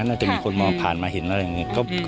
น่าจะมีคนมองผ่านมาเห็นอะไรอย่างนี้